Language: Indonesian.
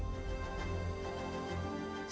pemilihan presiden amerika serikat